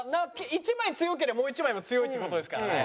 １枚強けりゃもう１枚も強いって事ですからね。